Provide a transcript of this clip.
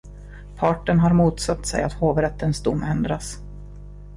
Parten har motsatt sig att hovrättens dom ändras.